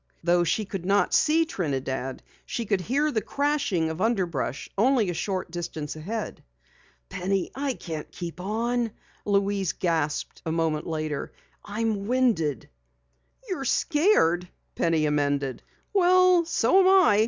Though she could not see Trinidad she could hear the crashing of underbrush only a short distance ahead. "Penny, I can't keep on!" Louise gasped a moment later. "I'm winded." "You're scared," Penny amended. "Well, so am I.